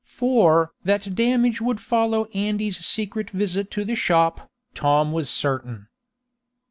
For that damage would follow Andy's secret visit to the shop, Tom was certain.